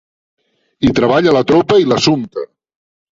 Hi treballa la tropa i l'Assumpta.